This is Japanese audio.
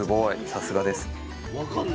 さすがです。